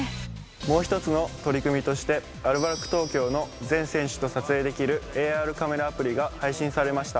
もう一つの取り組みとしてアルバルク東京の全選手と撮影できるＡＲカメラアプリが配信されました。